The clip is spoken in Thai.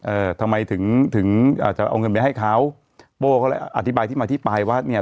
เอ่อทำไมถึงถึงอ่าจะเอาเงินไปให้เขาโป้เขาเลยอธิบายที่มาที่ไปว่าเนี่ย